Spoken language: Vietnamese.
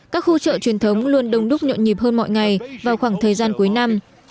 các khu chợ truyền thống luôn đông đúc nhộn nhịp hơn mọi ngày vào khoảng thời gian cuối năm